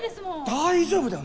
大丈夫だよ！